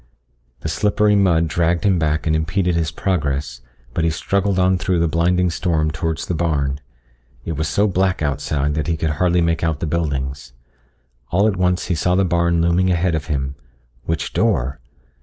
The slippery mud dragged him back and impeded his progress, but he struggled on through the blinding storm towards the barn. It was so black outside that he could hardly make out the buildings. All at once he saw the barn looming ahead of him. Which door?